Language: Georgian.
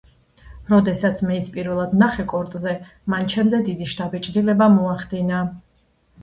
როდესაც მე ის პირველად ვნახე კორტზე, მან ჩემზე დიდი შთაბეჭდილება მოახდინა.